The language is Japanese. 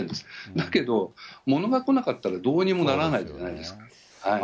だけど物が来なかったら、どうにもならないじゃないですか。